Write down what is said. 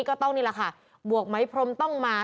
ก็ต้องนี่แหละค่ะบวกไหมพรมต้องมา